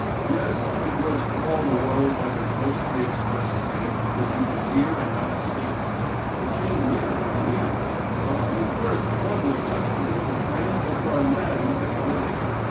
Yes, it was for all the world like a ghostly express train that you could hear and not see. It came nearer and nearer; the whole earth trembled just as if the train had gone mad in Piccadilly.